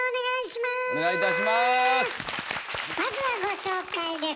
まずはご紹介です。